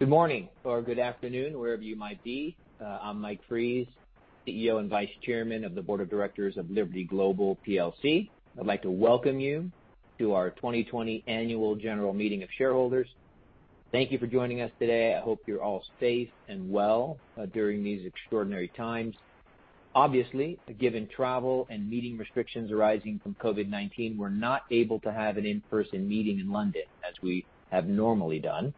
Good morning, or good afternoon, wherever you might be. I'm Mike Fries, CEO and Vice Chairman of the Board of Directors of Liberty Global PLC. I'd like to welcome you to our 2020 Annual General Meeting of Shareholders. Thank you for joining us today. I hope you're all safe and well during these extraordinary times. Obviously, given travel and meeting restrictions arising from COVID-19, we're not able to have an in-person meeting in London as we have normally done.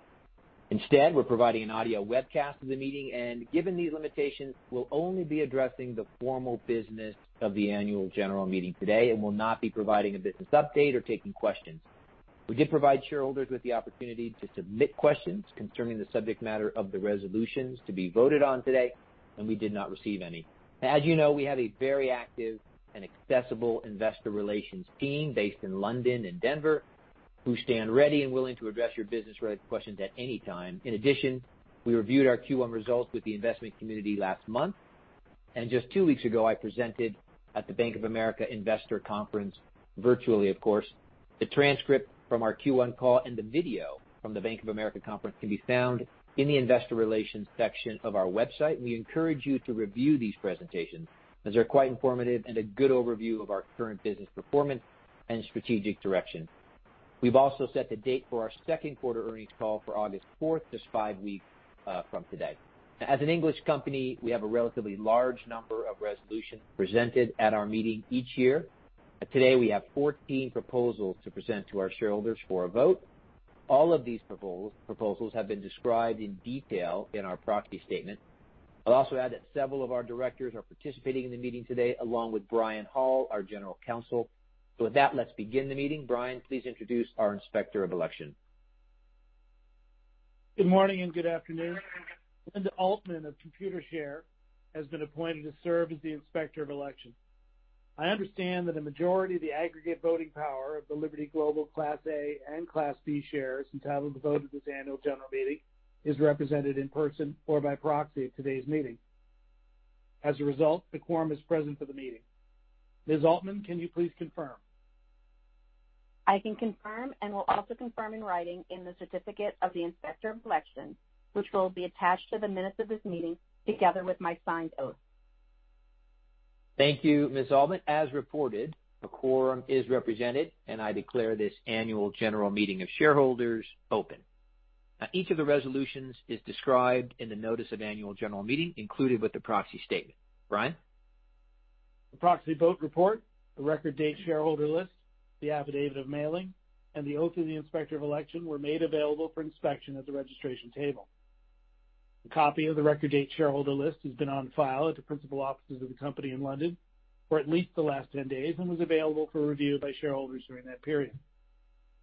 Instead, we're providing an audio webcast of the meeting, and given these limitations, we'll only be addressing the formal business of the Annual General Meeting today and will not be providing a business update or taking questions. We did provide shareholders with the opportunity to submit questions concerning the subject matter of the resolutions to be voted on today, and we did not receive any. As you know, we have a very active and accessible investor relations team based in London and Denver who stand ready and willing to address your business-related questions at any time. In addition, we reviewed our Q1 results with the investment community last month, and just two weeks ago, I presented at the Bank of America Investor Conference, virtually, of course. The transcript from our Q1 call and the video from the Bank of America Conference can be found in the investor relations section of our website, and we encourage you to review these presentations as they're quite informative and a good overview of our current business performance and strategic direction. We've also set the date for our second quarter earnings call for August 4th, just five weeks from today. As an English company, we have a relatively large number of resolutions presented at our meeting each year. Today, we have 14 proposals to present to our shareholders for a vote. All of these proposals have been described in detail in our proxy statement. I'll also add that several of our directors are participating in the meeting today, along with Bryan Hall, our General Counsel. With that, let's begin the meeting. Bryan, please introduce our inspector of election. Good morning and good afternoon. Linda Altman of Computershare has been appointed to serve as the Inspector of Elections. I understand that a majority of the aggregate voting power of the Liberty Global Class A and Class B shares entitled to vote at this Annual General Meeting is represented in person or by proxy at today's meeting. As a result, the quorum is present for the meeting. Ms. Altman, can you please confirm? I can confirm and will also confirm in writing in the certificate of the Inspector of Elections, which will be attached to the minutes of this meeting together with my signed oath. Thank you, Ms. Altman. As reported, the quorum is represented, and I declare this Annual General Meeting of Shareholders open. Now, each of the resolutions is described in the notice of Annual General Meeting included with the proxy statement. Bryan? The proxy vote report, the record-date shareholder list, the affidavit of mailing, and the oath of the Inspector of Elections were made available for inspection at the registration table. A copy of the record-date shareholder list has been on file at the principal offices of the company in London for at least the last 10 days and was available for review by shareholders during that period.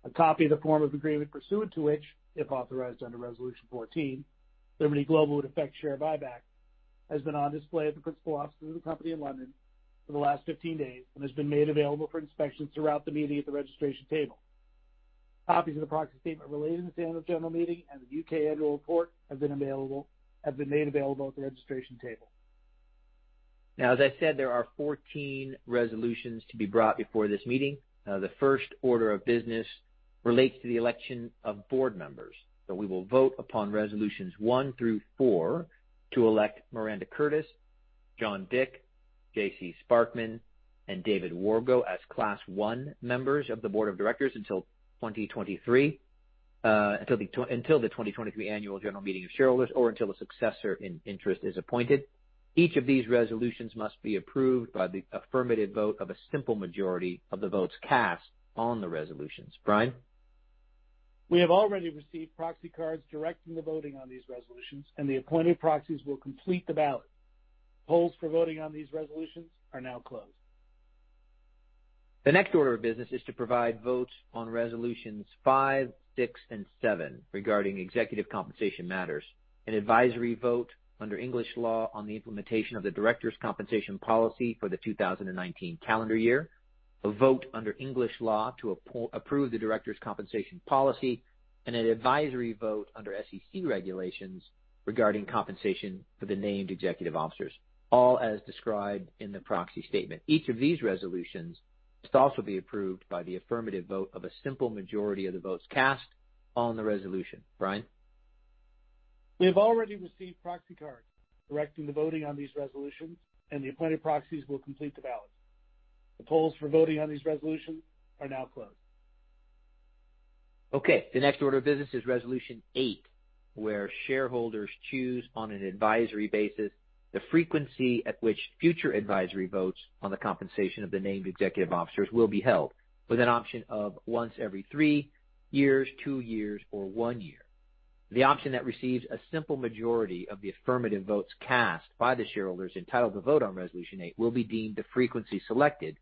A copy of the form of agreement pursuant to which, if authorized under Resolution 14, Liberty Global would effect share buyback, has been on display at the principal offices of the company in London for the last 15 days and has been made available for inspection throughout the meeting at the registration table. Copies of the proxy statement relating to the Annual General Meeting and the UK Annual Report have been made available at the registration table. Now, as I said, there are 14 resolutions to be brought before this meeting. The first order of business relates to the election of board members. So we will vote upon Resolutions 1 through 4 to elect Miranda Curtis, John Dick, J.C. Sparkman, and David Wargo as Class I members of the Board of Directors until 2023, until the 2023 Annual General Meeting of Shareholders or until a successor in interest is appointed. Each of these resolutions must be approved by the affirmative vote of a simple majority of the votes cast on the resolutions. Bryan? We have already received proxy cards directing the voting on these resolutions, and the appointed proxies will complete the ballot. Polls for voting on these resolutions are now closed. The next order of business is to provide votes on Resolutions 5, 6, and 7 regarding executive compensation matters, an advisory vote under English law on the implementation of the directors' compensation policy for the 2019 calendar year, a vote under English law to approve the directors' compensation policy, and an advisory vote under SEC regulations regarding compensation for the named executive officers, all as described in the proxy statement. Each of these resolutions must also be approved by the affirmative vote of a simple majority of the votes cast on the resolution. Bryan? We have already received proxy cards directing the voting on these resolutions, and the appointed proxies will complete the ballot. The polls for voting on these resolutions are now closed. Okay. The next order of business is Resolution 8, where shareholders choose on an advisory basis the frequency at which future advisory votes on the compensation of the named executive officers will be held, with an option of once every three years, two years, or one year. The option that receives a simple majority of the affirmative votes cast by the shareholders entitled to vote on Resolution 8 will be deemed the frequency selected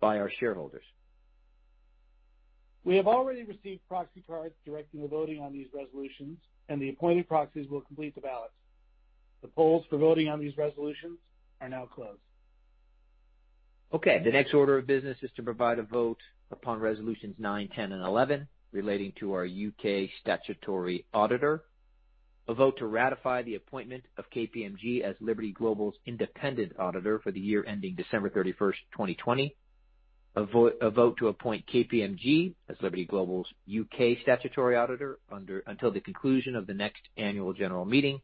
by our shareholders. We have already received proxy cards directing the voting on these resolutions, and the appointed proxies will complete the ballot. The polls for voting on these resolutions are now closed. Okay. The next order of business is to provide a vote upon Resolutions 9, 10, and 11 relating to our UK statutory auditor, a vote to ratify the appointment of KPMG as Liberty Global's independent auditor for the year ending December 31st, 2020, a vote to appoint KPMG as Liberty Global's UK statutory auditor until the conclusion of the next Annual General Meeting,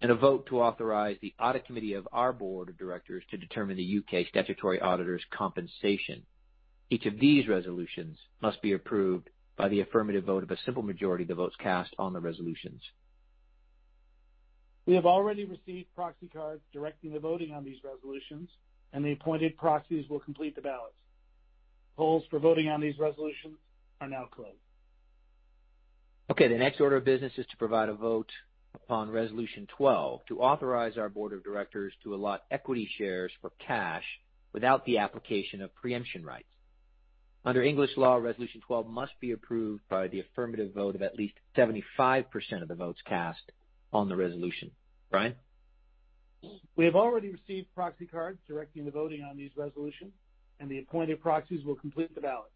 and a vote to authorize the Audit Committee of our Board of Directors to determine the UK statutory auditor's compensation. Each of these resolutions must be approved by the affirmative vote of a simple majority of the votes cast on the resolutions. We have already received proxy cards directing the voting on these resolutions, and the appointed proxies will complete the ballot. Polls for voting on these resolutions are now closed. Okay. The next order of business is to provide a vote upon Resolution 12 to authorize our Board of Directors to allot equity shares for cash without the application of preemption rights. Under English law, Resolution 12 must be approved by the affirmative vote of at least 75% of the votes cast on the resolution. Bryan? We have already received proxy cards directing the voting on these resolutions, and the appointed proxies will complete the ballot.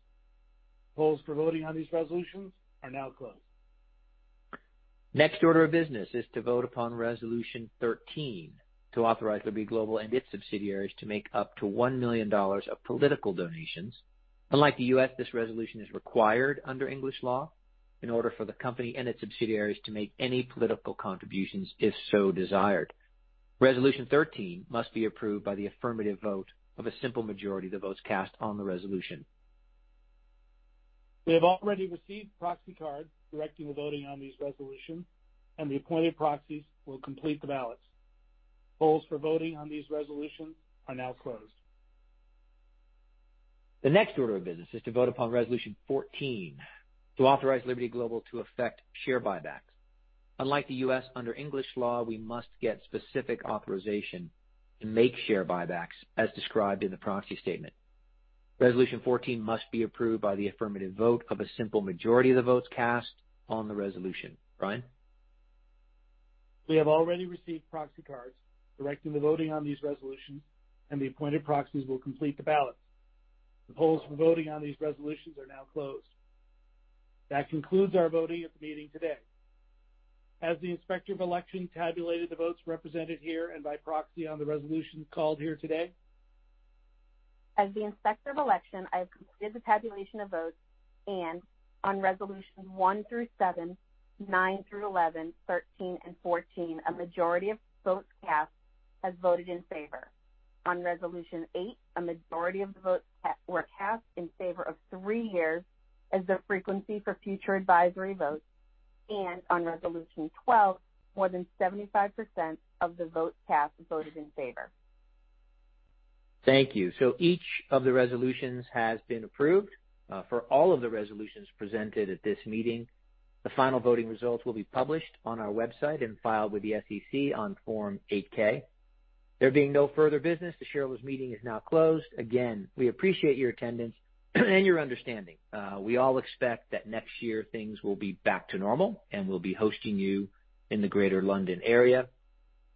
Polls for voting on these resolutions are now closed. Next order of business is to vote upon Resolution 13 to authorize Liberty Global and its subsidiaries to make up to $1 million of political donations. Unlike the U.S., this resolution is required under English law in order for the company and its subsidiaries to make any political contributions if so desired. Resolution 13 must be approved by the affirmative vote of a simple majority of the votes cast on the resolution. We have already received proxy cards directing the voting on these resolutions, and the appointed proxies will complete the ballot. Polls for voting on these resolutions are now closed. The next order of business is to vote upon Resolution 14 to authorize Liberty Global to effect share buybacks. Unlike the U.S., under English law, we must get specific authorization to make share buybacks as described in the proxy statement. Resolution 14 must be approved by the affirmative vote of a simple majority of the votes cast on the resolution. Bryan? We have already received proxy cards directing the voting on these resolutions, and the appointed proxies will complete the ballot. The polls for voting on these resolutions are now closed. That concludes our voting at the meeting today. Has the Inspector of Elections tabulated the votes represented here and by proxy on the resolutions called here today? As the Inspector of Elections, I have completed the tabulation of votes, and on Resolutions 1 through 7, 9 through 11, 13, and 14, a majority of the votes cast has voted in favor. On Resolution 8, a majority of the votes were cast in favor of three years as the frequency for future advisory votes, and on Resolution 12, more than 75% of the votes cast voted in favor. Thank you. So each of the resolutions has been approved. For all of the resolutions presented at this meeting, the final voting results will be published on our website and filed with the SEC on Form 8-K. There being no further business, the shareholders' meeting is now closed. Again, we appreciate your attendance and your understanding. We all expect that next year things will be back to normal, and we'll be hosting you in the greater London area.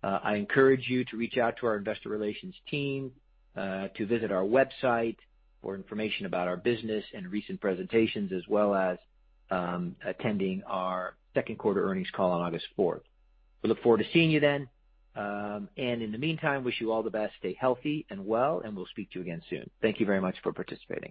I encourage you to reach out to our investor relations team to visit our website for information about our business and recent presentations, as well as attending our second quarter earnings call on August 4th. We look forward to seeing you then, and in the meantime, wish you all the best, stay healthy and well, and we'll speak to you again soon. Thank you very much for participating.